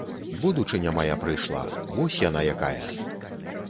Будучыня мая прыйшла, вось яна якая!